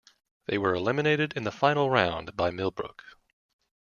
They were eliminated in the first round by Millbrook.